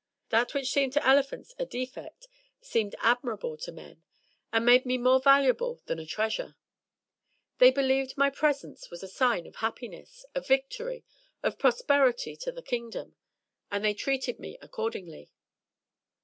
That which seemed to elephants a defect, seemed admirable to men, and made me more valuable than a treasure. They believed my presence was a sign of Happiness — of Victory — of Prosperity to the Kingdom — and they treated me accordingly.